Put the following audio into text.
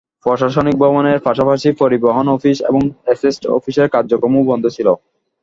প্রশাসনিক ভবনের পাশাপাশি পরিবহন অফিস এবং এস্টেট অফিসের কার্যক্রমও বন্ধ ছিল।